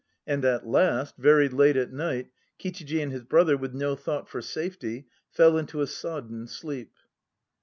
And at last, very late at night, Kichiji and his brother, with no thought for safety, Fell into a sodden sleep.